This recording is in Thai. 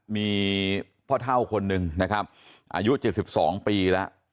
มีพ่อเท่าคนหนึ่งนะครับอายุ๗๒ปีแล้ว